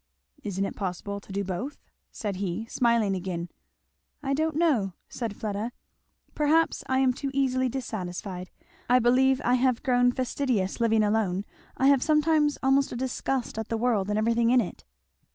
"Isn't it possible to do both?" said he, smiling again. "I don't know," said Fleda, "perhaps I am too easily dissatisfied I believe I have grown fastidious living alone I have sometimes almost a disgust at the world and everything in it."